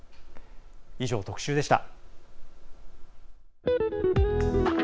以上、特集でした。